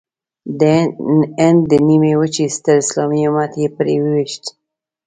د هند د نیمې وچې ستر اسلامي امت یې پرې وويشت.